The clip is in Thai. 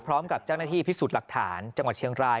พร้อมกับเจ้าหน้าที่พิสูจน์หลักฐานจังหวัดเชียงราย